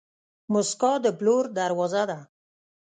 موسکا د پلور دروازه ده.